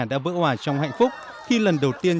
đã vỡ hỏa trong hạnh phúc khi lần đầu tiên